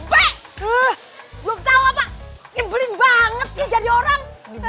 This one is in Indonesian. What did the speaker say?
belum tau apa timbulin banget sih jadi orang